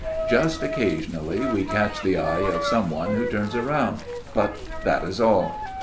Just occasionally we catch the eye of some one who turns round ; but that is all."